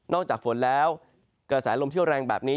นอกจากฝนแล้วเกิดสายลมเที่ยวแรงแบบนี้